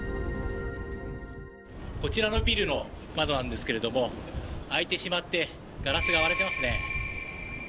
こちらのビルの窓なんですけれども開いてしまってガラスが割れてますね。